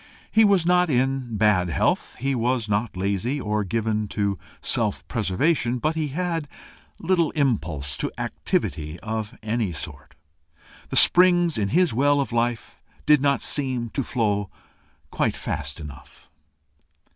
He was not in bad health, he was not lazy, or given to self preservation, but he had little impulse to activity of any sort. The springs in his well of life did not seem to flow quite fast enough.